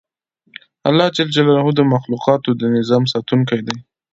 الله ج د مخلوقاتو د نظام ساتونکی دی